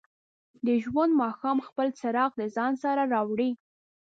د ژوند ماښام خپل څراغ د ځان سره راوړي.